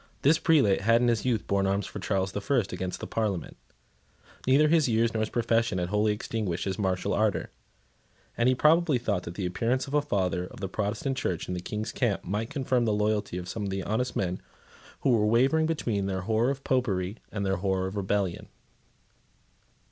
This prelate had in his youth borne arms for Charles the First against the Parliament. Neither his years nor his profession had wholly extinguished his martial ardour; and he probably thought that the appearance of a father of the Protestant Church in the King's camp might confirm the loyalty of some honest men who were wavering between their horror of Popery and their horror of rebellion.